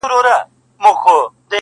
تشه له سرو میو شنه پیاله به وي،